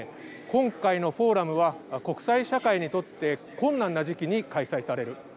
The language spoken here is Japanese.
今回のフォーラムは国際社会にとって困難な時期に開催される。